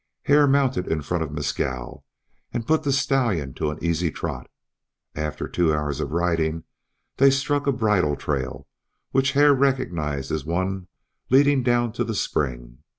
Hare mounted in front of Mescal, and put the stallion to an easy trot; after two hours of riding they struck a bridle trail which Hare recognized as one leading down to the spring.